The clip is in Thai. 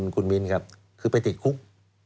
คุณมิ้นครับคือไปติดคุก